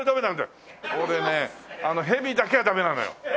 俺ねヘビだけはダメなのよ。